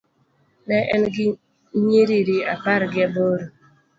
Ne en gi nyiriri apar gi aboro.